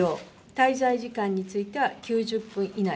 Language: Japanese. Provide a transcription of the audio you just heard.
滞在時間については９０分以内。